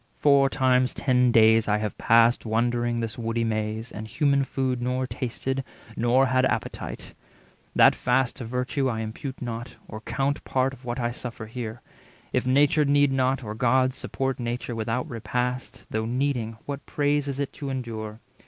Four times ten days I have passed Wandering this woody maze, and human food Nor tasted, nor had appetite. That fast To virtue I impute not, or count part Of what I suffer here. If nature need not, Or God support nature without repast, 250 Though needing, what praise is it to endure?